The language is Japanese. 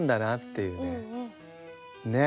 ねえ。